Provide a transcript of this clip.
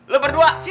lu berdua sini